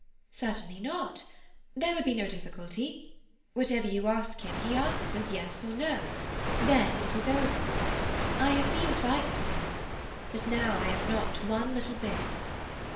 "Certainly not. There would be no difficulty. Whatever you ask him he answers, yes or no; then it is over. I have been frightened of him. But now I am not one little bit."